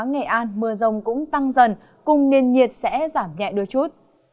nghệ an mưa rồng cũng tăng dần cùng nền nhiệt sẽ giảm nhẹ đôi chút